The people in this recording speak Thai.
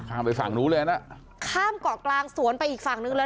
ข้ามไปฝั่งนู้นเลยนะข้ามเกาะกลางสวนไปอีกฝั่งนึงเลย